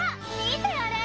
見てあれ！